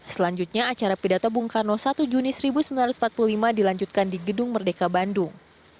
selanjutnya acara pidato bung karno satu juni seribu sembilan ratus empat puluh lima dilanjutkan di gedung merdeka bandung